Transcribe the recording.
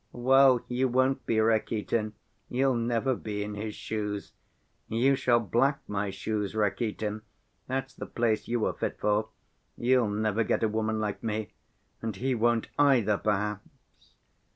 "Well, you won't be, Rakitin, you'll never be in his shoes. You shall black my shoes, Rakitin, that's the place you are fit for. You'll never get a woman like me ... and he won't either, perhaps